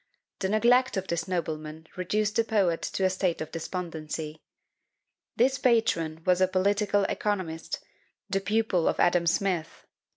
The neglect of this nobleman reduced the poet to a state of despondency. This patron was a political economist, the pupil of Adam Smith!